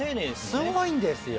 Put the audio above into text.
すごいんですよ。